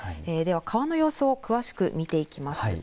川の予想を詳しく見ていきます。